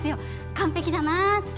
完璧だなって。